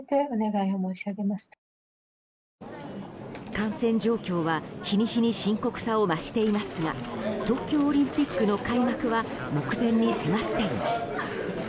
感染状況は日に日に深刻さを増していますが東京オリンピックの開幕は目前に迫っています。